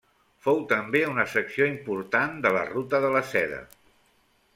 Fou també una secció important de la ruta de la Seda.